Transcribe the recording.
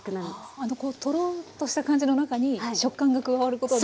あのこうとろとした感じの中に食感が加わることで。